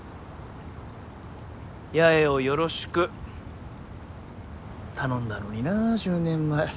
八重をよろしく頼んだのにな１０年前。